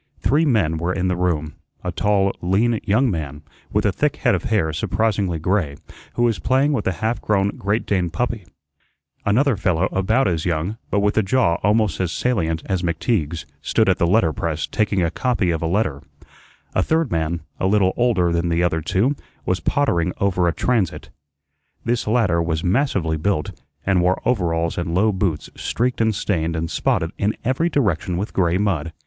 Three men were in the room a tall, lean young man, with a thick head of hair surprisingly gray, who was playing with a half grown great Dane puppy; another fellow about as young, but with a jaw almost as salient as McTeague's, stood at the letter press taking a copy of a letter; a third man, a little older than the other two, was pottering over a transit. This latter was massively built, and wore overalls and low boots streaked and stained and spotted in every direction with gray mud.